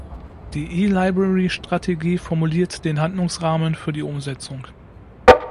Die E-Library-Strategie formuliert den Handlungsrahmen für die Umsetzung.